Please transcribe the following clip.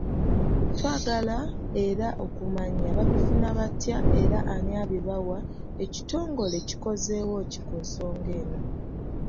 Twagala era okumanya baabifuna batya era ani yabibawa, ekitongole kikozeewo ki ku nsonga eno.